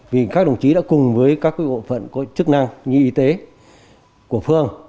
vì các đồng chí đã cùng với các bộ phận có chức năng như y tế của phương